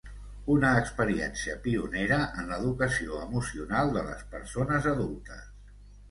Una experiència pionera en l'educació emocional de les persones adultes.